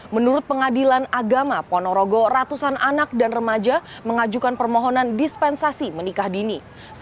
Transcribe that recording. menurut pengadilan agama ponorogo ratusan anak dan remaja mengajukan permohonan dispensasi menikah dini